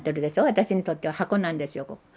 私にとっては箱なんですよ。